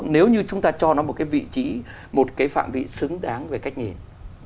nếu như chúng ta cho nó một cái vị trí một cái phạm vị xứng đáng về cách nhìn